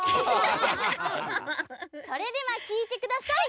それではきいてください！